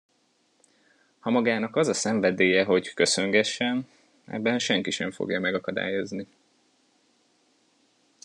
Ha magának az a szenvedélye, hogy köszöngessen, ebben senki sem fogja megakadályozni.